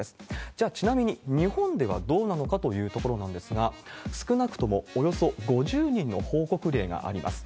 じゃあ、ちなみに日本ではどうなのかというところなんですが、少なくともおよそ５０人の報告例があります。